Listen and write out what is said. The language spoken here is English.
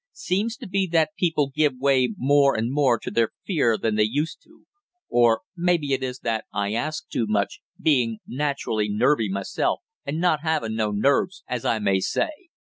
"Seems to be that people give way more and more to their fear than they used to; or maybe it is that I ask too much, being naturally nervy myself and not having no nerves, as I may say."